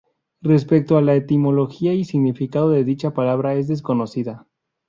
Respecto a la etimología y significado de dicha palabra, es desconocida.